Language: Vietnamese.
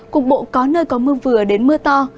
cục bộ có nơi có mưa vừa đến mưa to